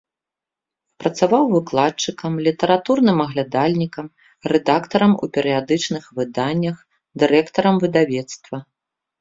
Працаваў выкладчыкам, літаратурным аглядальнікам, рэдактарам у перыядычных выданнях, дырэктарам выдавецтва.